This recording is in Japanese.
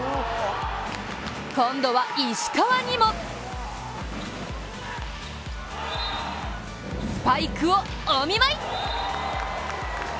今度は石川にもスパイクをお見舞い。